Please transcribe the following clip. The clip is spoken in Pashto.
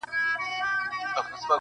خو د ننګ خلک دي جنګ ته لمسولي -